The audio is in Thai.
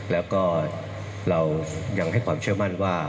แล้วก็เรายังให้ความเชื่อมั่นว่า